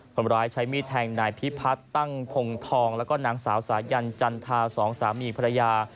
คนร้ายใช้มีดแทงนายพิพัฒน์ตั้งพงทองแล้วก็นางสาวสายันจันทาสองสามีภรรยา